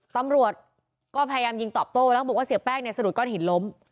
ตำรวจก็พยายามยิงตอบโต้แล้วบอกว่าเสียแป้งเนี่ยสะดุดก้อนหินล้ม